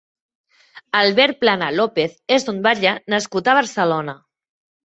Albert Plana López és un batlle nascut a Barcelona.